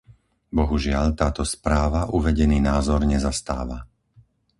Bohužiaľ, táto správa uvedený názor nezastáva.